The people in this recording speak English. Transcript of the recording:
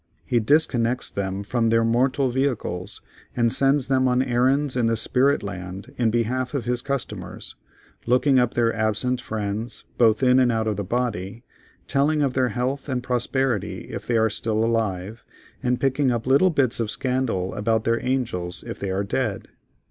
He disconnects them from their mortal vehicles, and sends them on errands in the spirit land in behalf of his customers, looking up their "absent friends," both in and out of the body—telling of their health and prosperity if they are still alive, and picking up little bits of scandal about their angels if they are dead.